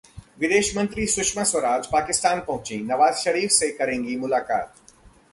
विदेश मंत्री सुषमा स्वराज पाकिस्तान पहुंचीं, नवाज शरीफ से करेंगी मुलाकात